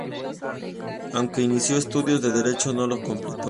Aunque inició estudios de derecho, no los completó.